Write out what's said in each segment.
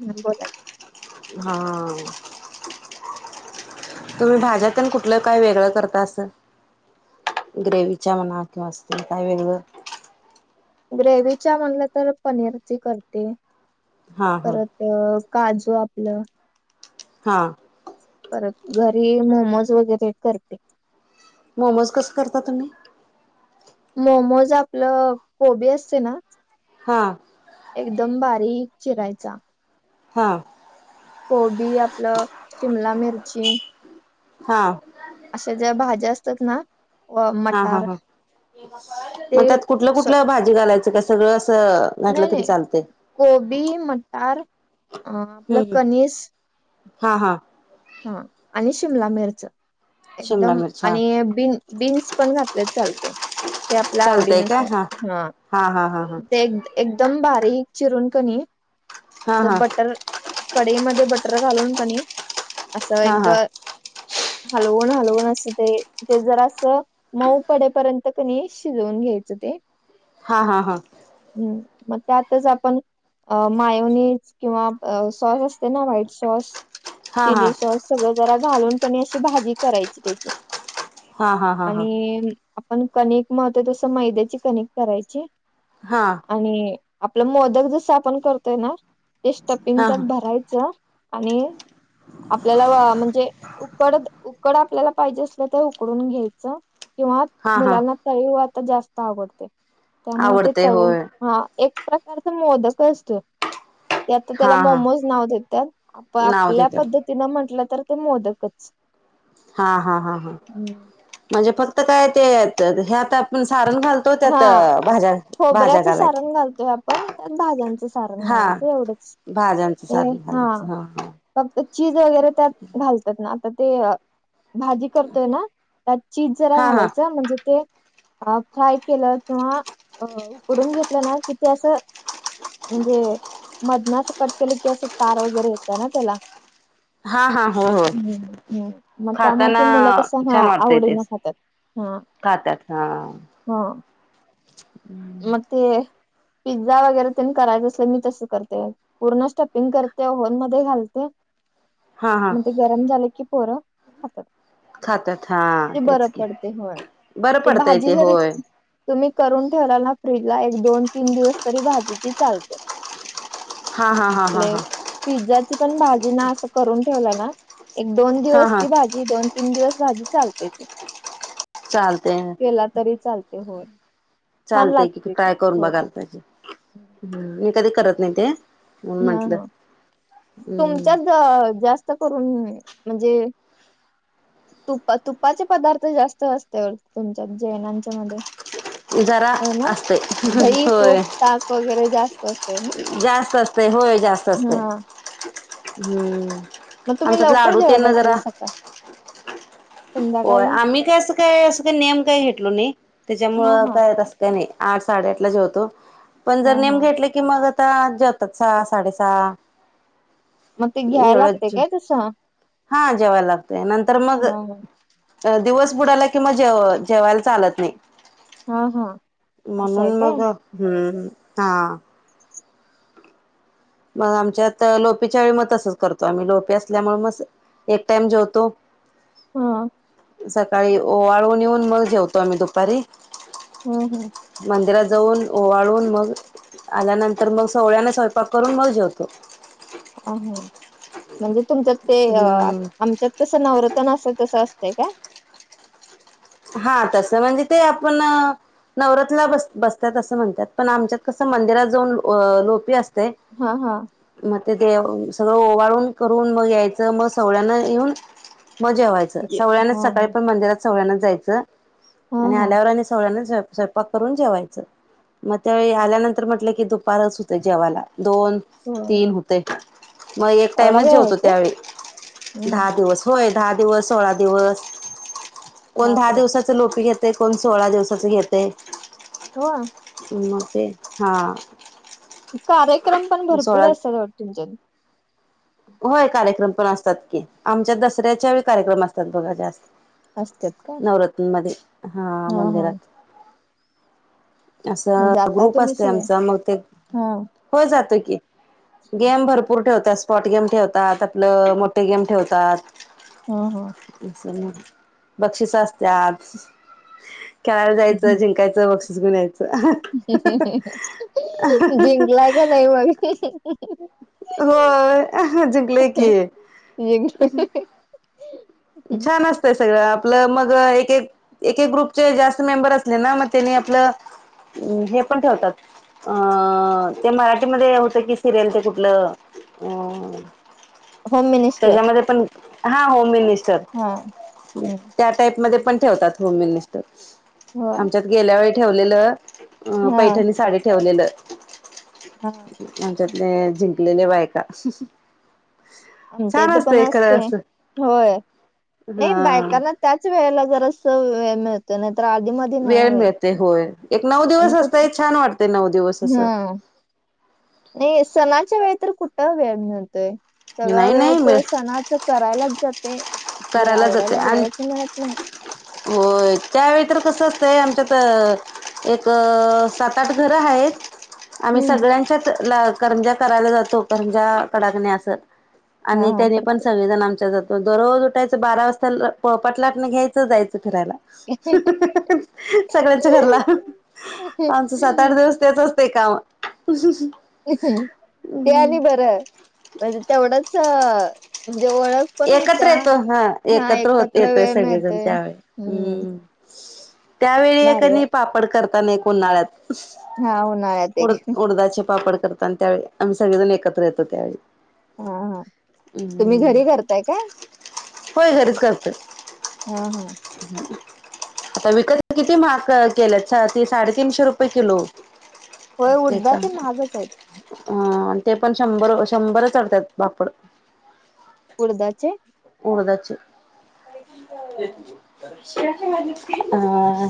हम्म बोला हा तुम्ही भाज्या तेनं कुठलं काय वेगळं करता असं ग्रेव्हीच्या म्हना किंवा असंतील काय वेगळं ग्रेव्ही च्या म्हणलं तर पनीरची करते. हा हा परत अ काजू आपलं हा परत घरी मोमोज वगैरे करते. मोमोज कसं करता तुम्ही? मोमोज आपलं कोबी असते ना हा एकदम बारीक चिरायचा. हा कोबी आपलं शिमला मिरची हा अशा ज्या भाज्या असतात ना अ हा हा मटार हा, म ते त्यात कुठलं कुठलं भाजी घालायचं? का सगळं असं नाय घातलं तरी नाय चालतंय कोबी, मटार अ आपलं हम्म कनिस हा हा हा आणि शिमला मिरच, शिमला एकदम मिरच हा आणि बीन बीन्स पण घातलेत चालते. ते आपल्या आवडी चालतंय काय नुसार हा, हा हा म ते एकद एकदम बारीक चिरून कनी हा असं हा बटर कढईमध्ये बटर घालून कणी असं हा एकद हा हलवून, हलवून असं ते, ते जरासं मऊ पडेपर्यंत कणी शिजवून घ्यायचं ते हा हा हा हम्म, म त्यातच आपण अ मायोनीज किंवा अ सॉस असते ना, व्हाईट सॉस हा हा चिली सॉस सगळ घालून कनय अशी भाजी करायची त्याची हा हा हा हा आणि आपण कनिक मळतो. तशी मैद्याची कनिक करायची. हा आणि आपलं मोदक जसं, आपण करतोय ना, ते हा स्टपिंग हा त्यात भरायचं आणि आपल्याला वा म्हणजे उकड, उकड आपल्याला पाहिजे असलं तर उकडून घ्यायचं. किंवा हा हा मुलांना तळीव आता जास्त आवडते. त्यामुळ ते आवडतंय तळून होय हा एक प्रकारचा मोदक असतो. ते आता त्याला हा हा मोमोज नाव देत्यात. आप आप नाव देतात द्धतीन म्हटलं तर ते मोदकच. हा हा हा हा, म्हणजे फक्त काय ते, त हे आता आपण सारण घाल हा, खोबऱ्याचं सारण घालतोय आपण त्यात भाज्यांचं सारण घालायचं एवढेच. भाज्यांचा सारण घालायचं हा हा फक्त चीज वगैरे त्यात घाल रतात ना, आता ते भाजी करतोय ना, त्यात चीज जरा हा हा घालायचं म्हणजे ते अ फ्राय केलं किंवा अ उकडून घेतलं ना कि ते असं म्हणजे मधनं असं कट केलं की असं तारा वगैरे येत्या ना त्याला. हा हा हो हो हम्म हम्म मग त्यामुळे खाताना ते मुलं कसं हा छान वाटतंय आवडीन तेच खात्यात हा. खातात हा. हो. हम्म. ते पिझ्झा वगैरे त्यांनी करायचं असलं मी तसं करते. पूर्ण स्टपिंग करते ओव्हन मध्ये घालते हा हा मग ते गरम झाले की पोरं खातात. खातात हा ते बरं तेच की पडते होय बरं आणि ते पडतंय भाजी जरी होय तुम्ही करून ठेवला ना फ्रीजला एक दोन तीन दिवस तरी भाजी ती चालते. हा हा हा हा आपले हा पिझ्झाची पण भाजी ना असं करून ठेवलं ना एक दोन हा दिवस हा ती भा ती दोन तीन दिवस भाजी चालते ती. चालतंय हा. केला तरी चालते हो छान चालतंय की लागते ती ट्राय करून हो बघायला पाहिजे. [unintelligible] एखादी कधी करत नाय ते. म्हणून हा म्हंटलं हा हम्म तुमच्यात ज जास्त करून हम्म म्हणजे तुपा तुपाचे पदार्थ जास्त असते तुमच्या जेवणांच्या मध्ये. जरा होय ना असतय दही, होय तूप, ताक वगैरे जास्त असते नाही. जास्त असतय होय जास्त असतय हम्म. मग तुम्ही आमच्यात लवकर लाडू तेन जेवत ला जरा असेल सकाळ होय संध्याकाळी आम्ही काय असं काय असं काही नेम काय घेतलो नाही हा त्याच्यामूळं हा ताय तस क नाही आठ साडे आठला जेवतो पण हा जर नेम हा घेतलं कि मग आता जेवतात सहा साडे सहा. मग ते घ्याय लागतय काय तसं? हा जेवाय लागतय नंतर मग हा दिवस बुडाला कि मग जेव जेवायला चालत नाही. हा हा हा असं आहे म्हणून काय मग हम्म हा. मग आमच्यात लोपिच्या वेळी मग तसंच करतो आम्ही लोपी असल्यामुळे मस एक टाईम जेवतो हा. सकाळी ओवाळून येऊन मग जेवतो आम्ही दुपारी. हो हो. मंदिरात जाऊन ओवाळून मग आल्यानंतर मग सवळ्यानं स्वयंपाक करून मग जेवतो. आ हा म्हणजे तुमच्यात ते आप हम्म आमच्यात कसं नवरत्न असं तसं असतय काय? हा तसं म्हणजे ते आपण नवरत्नला बस बसत्यात असं म्हणत्यात पण आमच्यात कसं मंदिरात जाऊन अ लोपी असते हा हा. मग ते देव सगळं ओवाळून करून मग यायचं मग सवळ्यानं येऊन म जेवाय च जे सवळ्यान हा सकाळी हा पण मंदिरात सवळ्यानाच जायचं हा आणि हा आल्यावर आणि सवळ्याने जेव स्वयप पाक करून जेवायचं मग त्यावेळी आल्यानंतर म्हटलं की दुपारच होतय जेवायला. दोन, होय तीन होतंय का? मग एक एवढा टाइमच वेळ जेवतो होतोय त्यावेळी, हम्म दहा दिवस. होय, दहा दिवस, सोळा दिवस. कोण दहा बापरे दिवसांच लोपी घेतय? कोण सोळा दिवसाच घेतय? हो. मग ते, हा. कार्यक्रम पण सोळा भरपूर असत्यात वाटतं तुमच्यात? होय कार्यक्रम पण असतात की, आमच्यात दसऱ्याच्या वेळी कार्यक्रम असतात बघा जास्त. असतात का नवरत्न मध्ये. हा हा मंदिरात. असं जाता ग्रुप तुम्ही असतो सगळे आमचा मग ते हा होय जातोय की, गेम भरपूर ठेवतात. स्पॉट गेम ठेवतात, आपलं मोठं गेम ठेवतात. हं, हं. [unintelligible] बक्षिसं असत्यात. खेळायला जायचं, जिंकायचं, बक्षीस घेऊन यायचं. [unintelligible] जिंकलाय का नाही मग? होय, जिंकले की. जिंक होम छान असतंय सगळं, आपलं मग एक, एक एके-एके ग्रुपचे जास्त मेंबर असले ना, मग त्यांनी आपलं, हे पण ठेवतात अं, ते मराठीमध्ये होतं की, सिरियल ते कुठलं? अं. मिनिस्टर त्याच्यामध्ये पण, हा होम मिनिस्टर. हा हम्म. त्या टाईपमध्ये पण ठेवतात होम मिनिस्टर, हो आमच्यात गेल्या वेळी ठेवलेलं. अं, हा पैठणी साडी ठेवलेलं, हा आमच्यात. लयं जिंकलेले बायका. आमच्या छान इथं पण खरं असतंय, असं होय, नाही हा बायकांना त्याचं वेळेला जरासं वेळ मिळ तर, नाही तर आधी मधी नाही वेळ होेयत, मिळते होय एक नऊ दिवस आणि कुठं? असतय छान वाटते नऊ दिवस असं हा. नाही, सणांच्या वेळी तर कुठं वेळ मिळतोय? सगळं नाही वेळ नाही मिळ तर सणाचं करायलाचं स, ते, हे करायला जाते आवरायला आणि वेळच मिळत नाही. होय, त्यावेळी तर कसं असतंय आमच्यात एक... सात, आठ घरं हायत. आम्ही हम्म सगळ्यांच्यात ला, करंज्या करायला जातो, करंज्या, कडाकण्या असं. हा आणि हा तेनी पण प्रत्येक सगळेजण आमच्या जातात, दररोज उठायचं बारा वाजता पोळपाटलाटन घ्यायचं, जायचं फिरायला. [unintelligible] सगळ्यांच्या घरला, आमचं सात, आठ दिवस तेचचं ते काम. [unintelligible] ते आणि बरं, म्हणजे तेवढंच, म्हणजे ओळख पण एकत्र होत्या येतो, हा, एकत्र होत येतोय सगळेजण त्यावेळी, हम्म. त्यावेळी एक भारी आणि वाट पापड करता ना एक उन्हाळ्यात. हा [unintelligible] उन्हाळ्यात एक उड-उडदाचे पापड करत तात. आणि त्यावेळी आम्ही सगळेजण एकत्र येतो त्यावेळी, हा हा तुम्ही हम्म. घरी करताय काय? होय, घरीच करतोय. हा हा आता विकत किती महाग केलंय, सा-साडे तीनशे रुपये किलो. होय उडदाचे महागच आहेत [unintelligible] अं, आणि ते पण शंभर, शंभरच चढतात पापड. उडदाचे? उडदाचे आं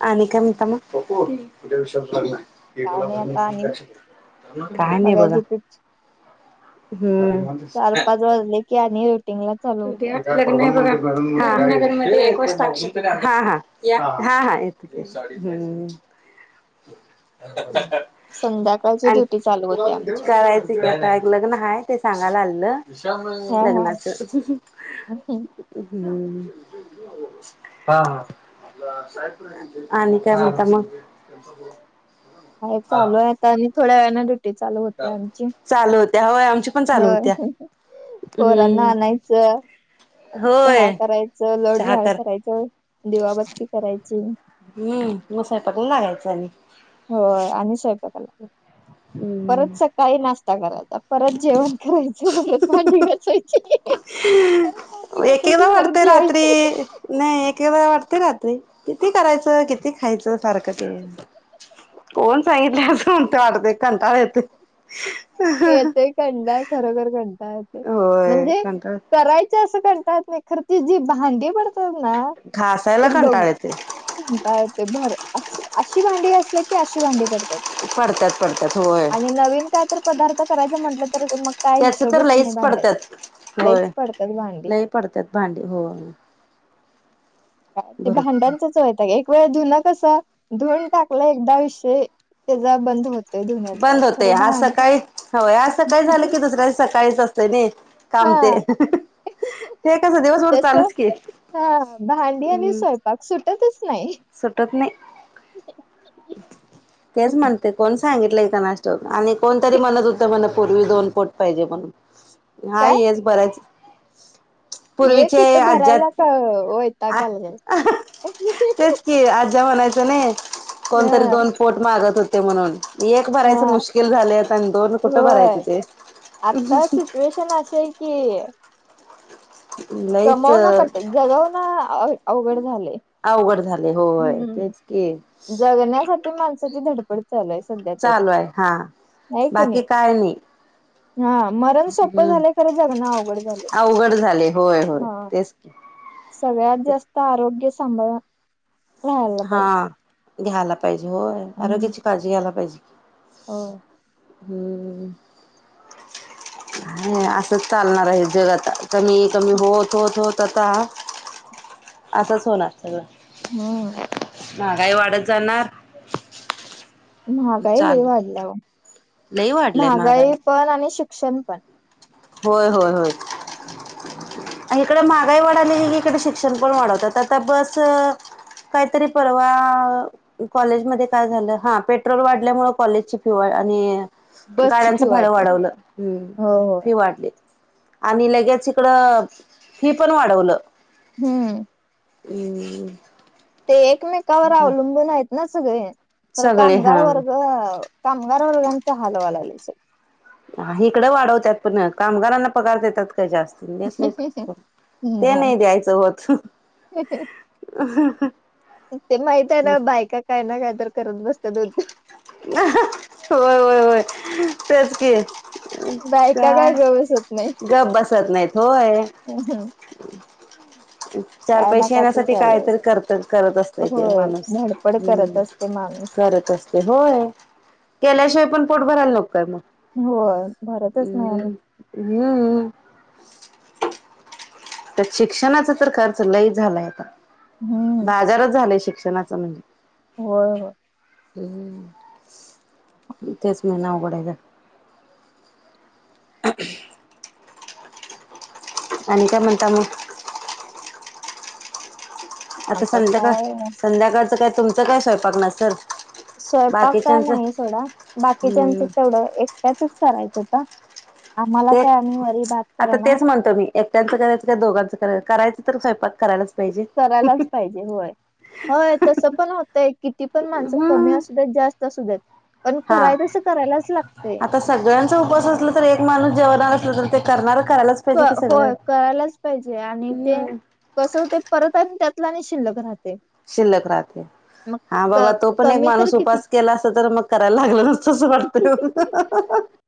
आणि काय म्हणता मग? काय नाही आता आणि काय नाही बघा. बघायचं ते हम्म चार पाच वाजले की आणि रुटिंगला उदया लग्न आहे बघा गुहाघरमध्ये उद्या एक वाजता हा हा येतो. हम्म. संध्याकाळची आणि ड्युटी चालू होते आमची करायचं आता एक लग्न हाय, ते सांगायला आलतं, हा हा. लग्नाचं. हम्म हा आणि काय म्हणता मग? हाय चालू आहे आता, आणि थोड्या वेळानं ड्युटी चालू होत्या आमची‌ चालु होत्या, होय आमची पण चालू होत्या होय, पोरांना हम्म आणायचं चहा होय करायचं लोट चहा झाड कर करायचं दिवाबत्ती करायची. हम्म मग स्वयंपाकाला लागायचं आणि हो आणि स्वयंपाकाला हम्म परत काही नाष्टा करायचा परत जेवण करायचं परत भाडी घासायची. परत भांडी एके घासायची एकदा परत वाटतंय रात्री जेवायची नाही एकदा वाटते रात्री किती करायचं किती खायचं सारखं कोण सांगितलं असं कोणते वाटतं कंटाळ येत. येतय कंटाळा खरोखर कंटाळा येते होय म्हणजे कंटाळ करायचं असं कंटाळा येत नाही खरं जी भांडी पडतात ना ते घासायला बघून कंटाळ येते कंटाळा येतोय भर अशी भांडी घासली की अशी भांडी पडतात. पडतात पडतात होय आणि नवीन काय तर पदार्थ करायचं म्हंटलं तर मग काय त्याच तर हिशोबच नाही लईच पडतात भांड्यात होय लईच पडतात भांडी. लई पडतात भांडी हो. ते बरोबर भांडांचच वैताग एक. होय धुण कसं धुवून टाकलं एकदा विषय त्याचा बंद होत. बंद होते आज सकाळी होय आज सकाळी झालं की दुसऱ्या सकाळीच असतेन. कामते हा हे कसं दिवसभर तस चालूच कि. हात सुटतच नाही. सुटत नाही. ह. तेच म्हणते कोण सांगितलंय कोणास आणि कोणतरी म्हणतं होतं म्हण पूर्वी दोन पोट पाहिजे म्हणून काय हाय हे भराच एक पूर्वीचे इथं आज्यात भरायला का वैताग आलाय. तेच कि आजच्या म्हणायचं नाही कोणतरी हा दोन पोट मागत होते म्हणून एक भरायचं हा मुश्किल झालं आणि दोन कुठं होय. भरायचे ते असं कि लईच कमावण्यासाठी जगवण अवघड झालंय. अवघड झाले होय हम्म तेच की जगण्यासाठी माणसं ती धडपड पण चालू हाय सध्या तरी, चालू आहे हा हाय का बाकी नाही. काय नाही हा मरण सोप्पं हम्म झालंय, खरं जगणं अवघड झालंय. अवघड झाले होय होय हा... तेच की. सगळ्यात जास्त आरोग्य सांभाळा. हा घ्याला पाहिजे, होय आरोग्याची काळजी घ्यायला पाहिजे की, होय. हं... नाहाय असंच चालणार आहे हे जग आता कमीत कमी होत, होत, होत आता असंच होणार सगळं. म... महागाई वाढत जाणार, महागाई लई चालू वाढल्या ओ लई वाढलंय महागाई पण आणि शिक्षण पण. होय, होय, होय. हिकडं महागाई वाढाली की, हिकडं शिक्षण पण वाढवतात. आता बस काहीतरी परवा कॉलेजमध्ये काय झालं हा पेट्रोल वाढल्यामुळंं कॉलेजची फी वाढ आणि बसची फी गाड्यांचं भाडं वाढते वाढवलं हं... हो हो वाढली आणि लगेच इकडं फी पण वाढवलं. हं... ह.... ते एकमेकांवर अवलंबून आहेत ना, सगळे खरं सगळे हा कामगार वर्ग कामगार वर्गाचं हाल व्हा लागलयं सगळं. हिकडं वाढवत्यात, पण कामगारांना पगार देतात काय जास्त. कोण देत नाही कोण ते नाही द्यायचं होत. [unintelligible] ते माहित आहे ना, बायका काय ना काय तर करत बसत्यात उद्योग. व्हय, व्हय, व्हय तेच की. बायका काय गवस होत नाही. गप बसत नाहीत होय. [inaudible] चार काय ना पैसे काय तर येण्यासाठी चालू कायतरी असत करत करत असतयं ते माणूस हं... ते माणूस. ते होय केल्याशिवाय पण पोट भरायला नको काय मग. होय भरतच नाही आणि हं... त्यात शिक्षणाचा तर खर्च लय झालायं आता, हम्म बाजारच झालायं शिक्षणाच म्हणजे. होय, होय. हूं.. तेच म्हणं अवघड आहे गं. [unintelligible] आणि काय म्हणता मग? आता संध्याकाळ संध्याकाळचं काय तुमचं काय स्वयंपाक नसल? स्वयंपाक काय नाही सोडा, बाकीच्याचं हम्म, तेवढं एकट्याचच करायचं आता. आम्हांला काय आम्हीं वरी भात करणार. एकट्याचं करायचं, काय दोघाचं करायच करायचं तर स्वयंपाक करायलाच पाहिजे करायलाच पाहिजे होय. होय तसं पण होतंय किती पण माणसं कमी हम्म असू देत जास्त त असू देत पण कराय तसं करायलाच लागतंय. तर सगळ्यांचा उपवास असला तर, एक माणूस जेवणार असलं तर ते करणार करायलाच पाहिजे होय, की सगळं होय करायलाच पाहिजे आणि ते हम्म कसं होत परत आणि त्यातला आणि शिल्लक राहतय. शिल्लक राहते. हा बाबा, तो पण एक कमी तर माणूस किती उपास केला असता तर, मग करायला लागलं नसतं वाटतं.